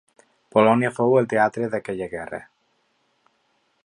Polònia fou el teatre d'aquella guerra.